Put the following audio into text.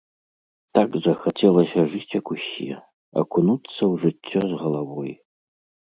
Так захацелася жыць, як усе, акунуцца ў жыццё з галавой.